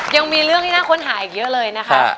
ยังมีเรื่องที่น่าค้นหาอีกเยอะเลยนะครับ